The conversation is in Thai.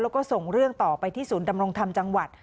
แล้วก็ส่งเรื่องต่อไปที่ศูนย์ดำรงธรรมจังหวัด